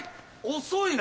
遅いな！